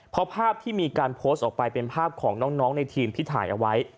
เพราะภาพที่มีการโพสต์ออกไปเป็นภาพของน้องในทีมที่ถ่ายเอาไว้